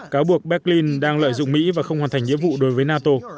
cáo buộc berlin đang lợi dụng mỹ và không hoàn thành nhiệm vụ đối với nato